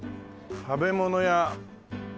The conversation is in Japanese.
食べ物屋。